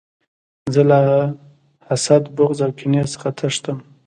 زه له حسد، بغض او کینې څخه تښتم.